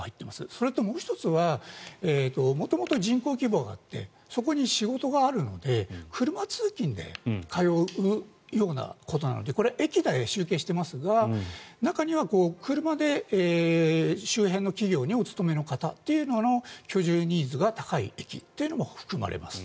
それともう１つは元々、人口規模があってそこに仕事があるので車通勤で通うようなことなのでこれは駅で集計していますが中には車で周辺の企業にお勤めの方というのの居住ニーズが高い駅というのも含まれます。